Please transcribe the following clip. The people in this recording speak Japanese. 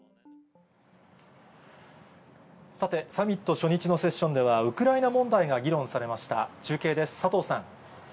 さて、サミット初日のセッションでは、ウクライナ問題が議論されました。